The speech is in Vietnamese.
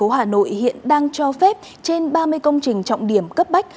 ủy ban nhân dân tp hà nội đang cho phép trên ba mươi công trình trọng điểm cấp bách